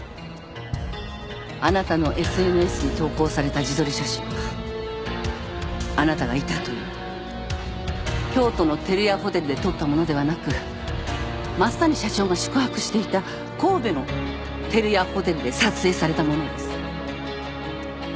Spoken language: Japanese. あなたのＳＮＳに投稿された自撮り写真はあなたがいたという京都の照屋ホテルで撮ったものではなく増谷社長が宿泊していた神戸の照屋ホテルで撮影されたものです。